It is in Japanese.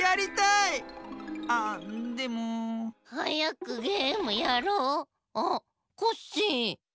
はやくゲームやろう。あっコッシー。